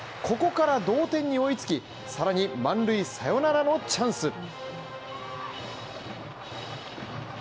ここから同点に追いつき、更に満塁サヨナラのチャンス。